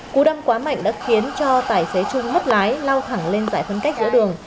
cú đâm quá mạnh đã khiến cho tài xế trung mất lái lao thẳng lên giải phân cách giữa đường